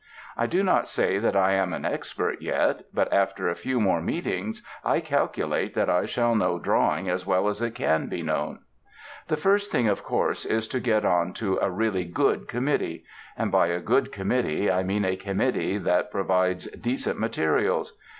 I do not say that I am an expert yet, but after a few more meetings I calculate that I shall know Drawing as well as it can be known. The first thing, of course, is to get on to a really good committee; and by a good committee I mean a committee that provides decent materials.